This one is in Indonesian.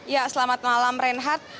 ya selamat malam reinhard